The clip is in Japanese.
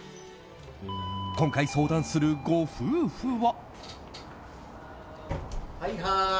今回、相談するご夫婦は。